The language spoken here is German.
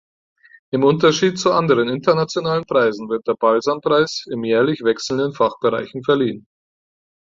Im Unterschied zu anderen internationalen Preisen wird der Balzan-Preis in jährlich wechselnden Fachbereichen verliehen.